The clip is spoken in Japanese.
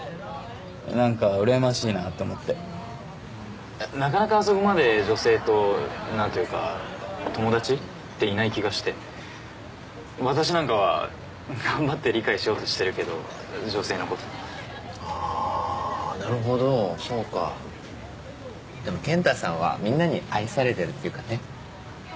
なんか羨ましいなと思ってなかなかあそこまで女性となんというか友達？っていない気がして私なんかは頑張って理解しようとしてるけど女性のことああーなるほどそうかでも賢太さんはみんなに愛されてるっていうかね